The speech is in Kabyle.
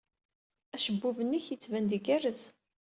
Acebbub-nnek yettban-d igerrez.